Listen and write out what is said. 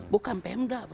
bukan pemda pak